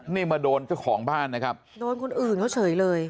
นี่มาโดนเจ้าของบ้านนะครับโดนคนอื่นเขาเฉยเลย